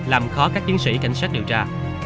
làm khó các chiến sĩ cảnh sát điều tra